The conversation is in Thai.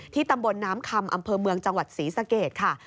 ตำบลน้ำคำอำเภอเมืองจังหวัดศรีสะเกดค่ะ